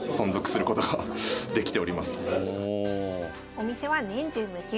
お店は年中無休。